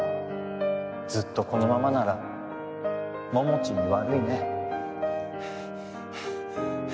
ずっとこのままなら桃地に悪いね。